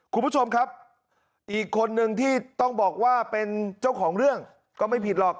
คุณผู้ชมครับอีกคนนึงที่ต้องบอกว่าเป็นเจ้าของเรื่องก็ไม่ผิดหรอก